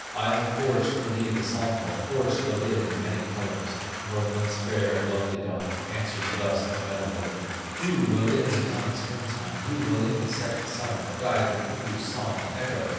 I have forged for thee the Sampo, Forged the lid in many colors." Northland's fair and lovely daughter Answers thus the metal worker: "Who will in the coming spring time, Who will in the second summer, Guide the cuckoo's song and echo?